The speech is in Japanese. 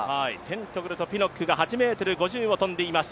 テントグルとピノックが８ｍ５０を跳んでいます。